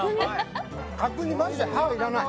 角煮マジで歯がいらない